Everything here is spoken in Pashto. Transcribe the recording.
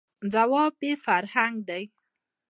، ځواب یې «فرهنګ» دی.